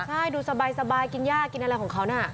ใช่ดูสบายกินย่ากินอะไรของเขาน่ะ